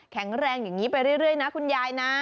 แข็งแรงอย่างนี้ไปเรื่อยนะคุณยายนะ